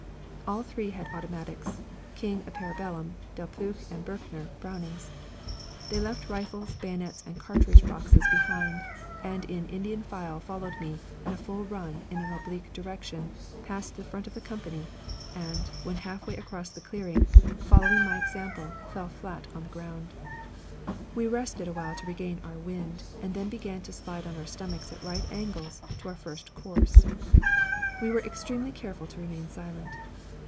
All three had automatics King a parabellum, Delpeuch and Birchler, Brownings. They left rifles, bayonets, and cartridge boxes behind, and in Indian file followed me at a full run in an oblique direction past the front of the company, and, when half way across the clearing, following my example, fell flat on the ground. We rested a while to regain our wind and then began to slide on our stomachs at right angles to our first course. We were extremely careful to remain silent.